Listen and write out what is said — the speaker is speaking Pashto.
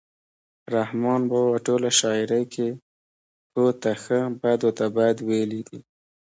رحمان بابا په ټوله شاعرۍ کې ښو ته ښه بدو ته بد ویلي دي.